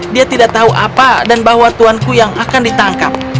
dia tidak tahu apa dan bahwa tuanku yang akan ditangkap